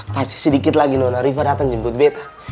pasti sedikit lagi nona rifa datang jemput betta